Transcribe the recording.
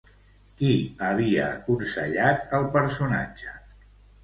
Qui havia aconsellat al personatge?